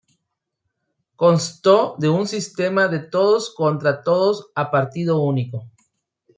Constó de un sistema de todos contra todos a partido único.